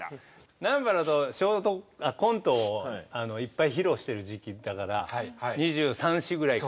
南原とコントをいっぱい披露してる時期だから２３２４ぐらいか。